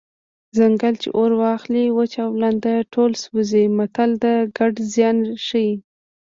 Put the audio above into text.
ځنګل چې اور واخلي وچ او لانده ټول سوځي متل د ګډ زیان ښيي